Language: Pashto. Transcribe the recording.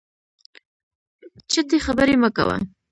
چټي خبري مه کوه !